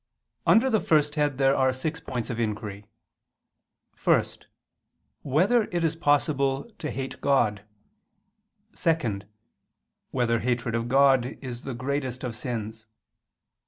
Under the first head there are six points of inquiry: (1) Whether it is possible to hate God? (2) Whether hatred of God is the greatest of sins?